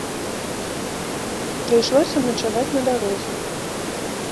Прыйшлося начаваць на дарозе.